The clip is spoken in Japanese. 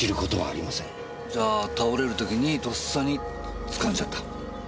じゃあ倒れる時にとっさにつかんじゃった。